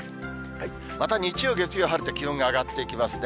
また日曜、月曜、晴れて、気温が上がっていきますね。